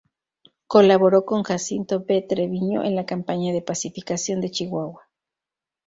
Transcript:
Colaboró con Jacinto B. Treviño en la campaña de pacificación de Chihuahua.